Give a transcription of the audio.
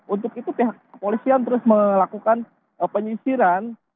untuk itu pihak kepolisian terus melakukan penyisiran